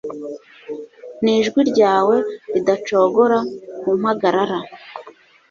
Nijwi ryawe ridacogora ku mpagara